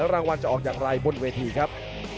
รางวัลจะออกอย่างไรบนเวทีครับ